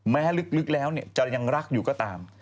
ลึกแล้วจะยังรักอยู่ก็ตาม